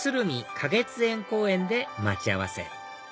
花月園公園で待ち合わせ